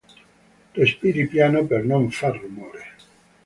Respiri piano per non far rumore